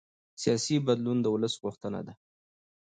سیاسي بدلون د ولس غوښتنه ده